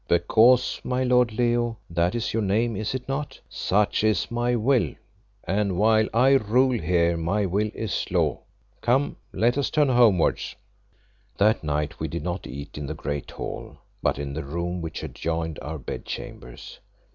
"Because, my lord Leo that is your name, is it not? such is my will, and while I rule here my will is law. Come, let us turn homewards." That night we did not eat in the great hall, but in the room which adjoined our bed chambers.